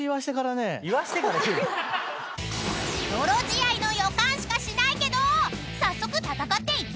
［泥仕合の予感しかしないけど早速戦っていきましょう！］